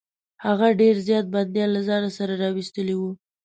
هغه ډېر زیات بندیان له ځان سره راوستلي وه.